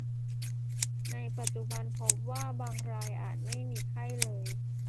แต่ปัจจุบันพบว่าบางรายอาจไม่มีไข้เลย